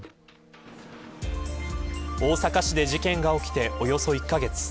大阪市で事件が起きておよそ１カ月。